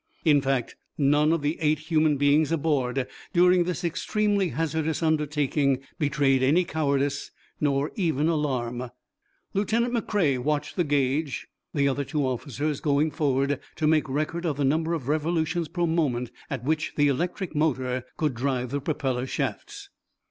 In fact, none of the eight human beings aboard during this extremely hazardous undertaking betrayed any cowardice, nor even alarm. Lieutenant McCrea watched the gauge, the other two officers going forward to make record of the number of revolutions per moment at which the electric motor could drive the propeller shafts.